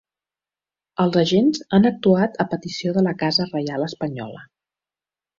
Els agents han actuat a petició de la casa reial espanyola.